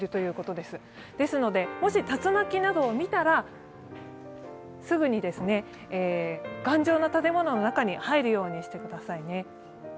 ですので、もし竜巻などを見たらすぐに頑丈な建物の中に入るようにしてくださいね。